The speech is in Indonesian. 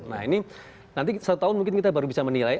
nah ini nanti setahun mungkin kita baru bisa menilai